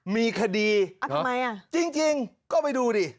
มีคดี